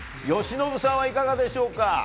由伸さんはいかがでしょうか？